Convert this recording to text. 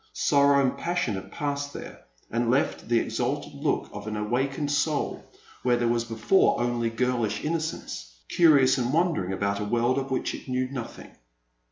Sorrow and passion have passed there, and left the exalted look of an awakened soul, where there was before only girlish innocence, curious and wondering about a world of which it knew nothing.